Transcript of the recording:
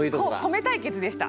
米対決でした。